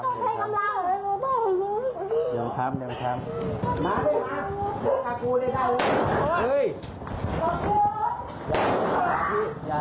มาเลยละนาโก้เด็ดเอ้า